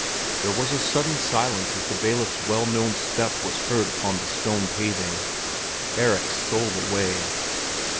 There was a sudden silence as the bailiff's well known step was heard upon the stone paving. Erik stole away.